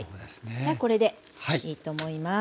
さあこれでいいと思います。